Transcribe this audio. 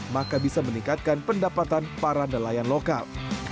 maka bisa meningkatkan pendapatan para nelayan lokal